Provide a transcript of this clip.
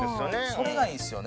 それがいいんですよね。